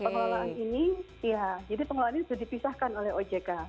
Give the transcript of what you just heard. pengelolaan ini ya jadi pengelolaan ini sudah dipisahkan oleh ojk